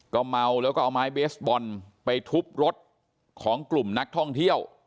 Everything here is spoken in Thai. ก็เมาแล้วก็เอาไม้เบสบอลไปทุบรถของกลุ่มนักท่องเที่ยว